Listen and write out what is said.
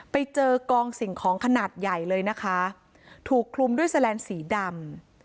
ไปเจอกองสิ่งของขนาดใหญ่เลยนะคะถูกคลุมด้วยแลนสีดำ